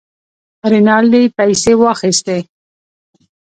رینالډي پیسې واخیستې.